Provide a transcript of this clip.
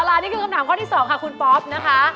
อาล่ะนี่คือคำถามข้อที่๒คุณป๊อบนะคะ